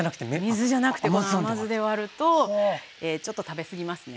水じゃなくてこの甘酢で割るとちょっと食べすぎますね。